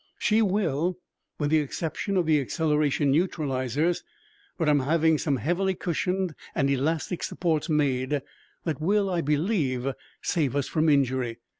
"She will, with the exception of the acceleration neutralizers. But I'm having some heavily cushioned and elastic supports made that will, I believe, save us from injury.